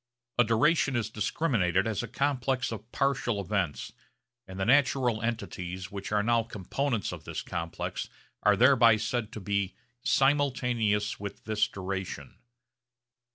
A duration is discriminated as a complex of partial events, and the natural entities which are components of this complex are thereby said to be 'simultaneous with this duration.'